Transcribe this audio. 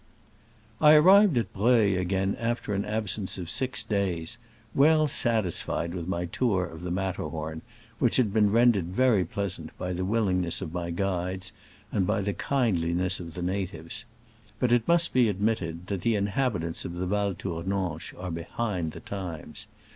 I arrived at Breuil again after an ab sence of six days, well satisfied with my tour of the Matterhorn, which had been rendered very pleasant by the will ingness of my guides and by the kind liness of the natives. But it must be admitted that the inhabitants of the Val Tournanche are behind the times.